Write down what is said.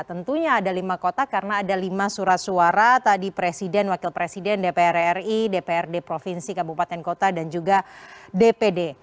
tentunya ada lima kota karena ada lima surat suara tadi presiden wakil presiden dpr ri dprd provinsi kabupaten kota dan juga dpd